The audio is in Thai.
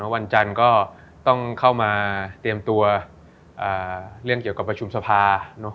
วันจันทร์ก็ต้องเข้ามาเตรียมตัวเรื่องเกี่ยวกับประชุมสภา